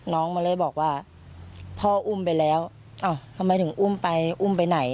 น้องมันเลยบอกว่าพ่ออุ้มไปแล้วอ้าวทำไมถึงอุ้มไปอุ้มไปไหน